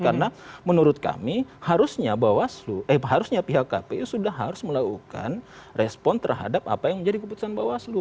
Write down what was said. karena menurut kami harusnya bawaslu eh harusnya pihak kpu sudah harus melakukan respon terhadap apa yang menjadi keputusan bawaslu